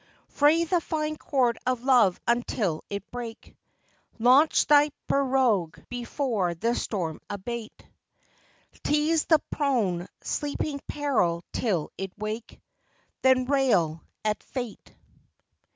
Fray the fine cord of Love until it break ; Launch thy pirogue before the storm abate ; Tease the prone, sleeping Peril till it wake ; Then rail at Fate.